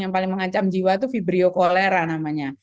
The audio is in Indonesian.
yang paling mengancam jiwa itu fibriokolera namanya